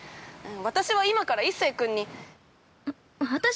私は今から一世君に。